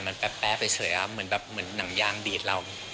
มันแป๊ปแป๊ปเผยเฉยอ่ะเหมือนแบบเหมือนหนังยางดีทเรา